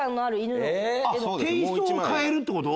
テイストを変えるってこと？